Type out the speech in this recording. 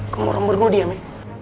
kamu orang berdua diam ya